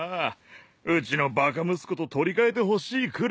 うちのバカ息子と取り換えてほしいくらいだ。